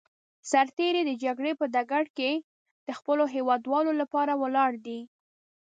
سرتېری د جګړې په ډګر کې د خپلو هېوادوالو لپاره ولاړ دی.